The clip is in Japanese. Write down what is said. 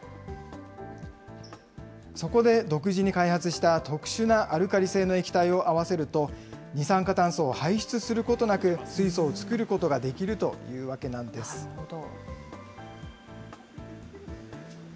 そこで独自に開発した特殊なアルカリ性の液体を合わせると、二酸化炭素を排出することなく、水素を作ることができるというわなるほど。